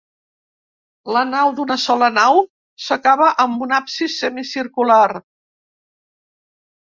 La nau, d'una sola nau, s'acaba amb un absis semicircular.